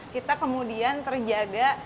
kita kemudian terjaga